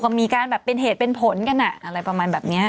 ก็มีการแบบเป็นเหตุเป็นผลกันอะไรประมาณแบบนี้